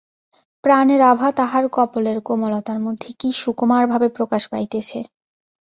প্রাণের আভা তাহার কপোলের কোমলতার মধ্যে কী সুকুমার ভাবে প্রকাশ পাইতেছে!